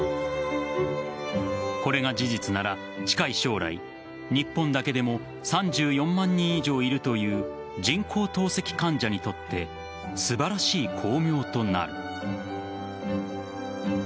これが事実なら近い将来日本だけでも３４万人以上いるという人工透析患者にとって素晴らしい光明となる。